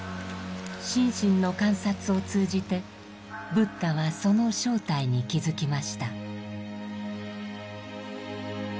心身の観察を通じてブッダはその正体に気づきました。